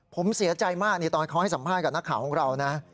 ผมเสียใจมากนี่ตอนเขาให้สัมภาษณ์กับนักข่าวของเรานะ